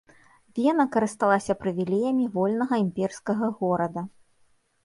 Вена карысталася прывілеямі вольнага імперскага горада.